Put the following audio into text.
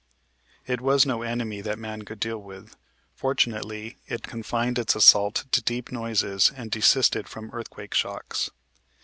It was no enemy that man could deal with. Fortunately, it confined its assault to deep noises, and desisted from earthquake shocks.